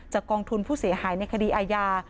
กองทุนผู้เสียหายในคดีอาญา